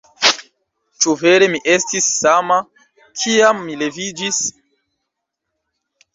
Ĉu vere mi estis sama kiam mi leviĝis?